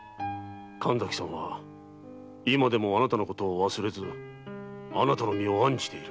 神崎さんは今でもあなたのことを忘れずあなたの身を案じている。